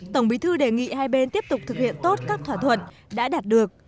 tổng bí thư đề nghị hai bên tiếp tục thực hiện tốt các thỏa thuận đã đạt được